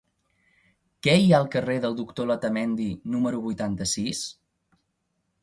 Què hi ha al carrer del Doctor Letamendi número vuitanta-sis?